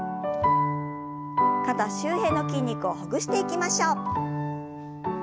肩周辺の筋肉をほぐしていきましょう。